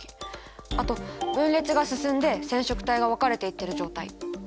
あと分裂が進んで染色体が分かれていってる状態。